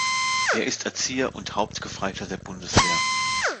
Er ist Erzieher und Hauptgefreiter der Bundeswehr.